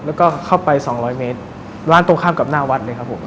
แล้วก็เข้าไปสองร้อยเมตรร้านตรงข้ามกับหน้าวัดเลยครับผม